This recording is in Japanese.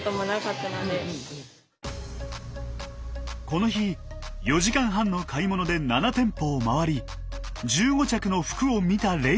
この日４時間半の買い物で７店舗を回り１５着の服を見た玲那さん。